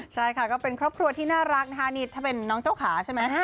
ใช่ค่ะก็เป็นครอบครัวที่น่ารักนะคะนี่ถ้าเป็นน้องเจ้าขาใช่ไหม